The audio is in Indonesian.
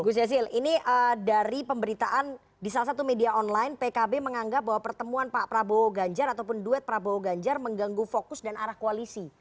gus jazil ini dari pemberitaan di salah satu media online pkb menganggap bahwa pertemuan pak prabowo ganjar ataupun duet prabowo ganjar mengganggu fokus dan arah koalisi